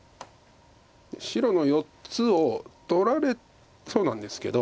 白の４つを取られそうなんですけど。